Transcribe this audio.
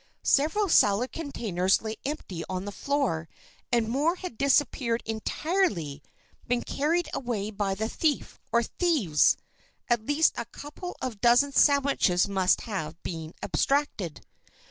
Several salad containers lay empty on the floor and more had disappeared entirely been carried away by the thief, or thieves. At least a couple of dozen sandwiches must have been abstracted.